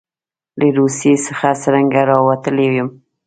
له روسیې څخه څرنګه راوتلی یم.